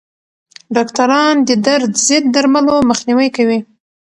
ډاکټران د درد ضد درملو مخنیوی کوي.